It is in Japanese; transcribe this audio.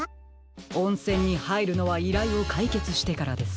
おんせんにはいるのはいらいをかいけつしてからです。